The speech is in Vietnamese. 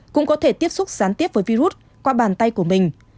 cũng có thể tiếp xúc sán tiếp với virus qua bàn tay của mình